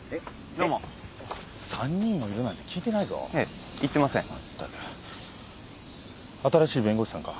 どうも３人もいるなんて聞いてないぞええ言ってません全く新しい弁護士さんか？